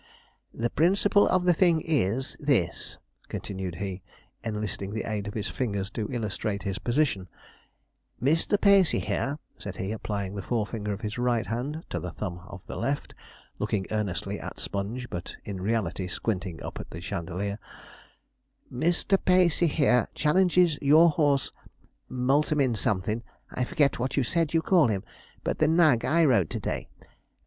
'The principle of the thing is this,' continued he, enlisting the aid of his fingers to illustrate his position: 'Mr. Pacey, here,' said he, applying the forefinger of his right hand to the thumb of the left, looking earnestly at Sponge, but in reality squinting up at the chandelier 'Mr. Pacey here challenges your horse Multum in somethin' I forget what you said you call him but the nag I rode to day.